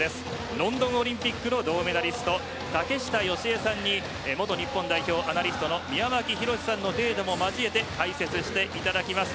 ロンドンオリンピックの銅メダリスト竹下佳江さんに元日本代表アナリストの宮脇ヒロシさんのデータも交えて解説していただきます。